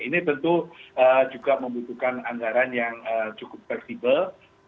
ini tentu juga membutuhkan anggaran yang cukup fleksibel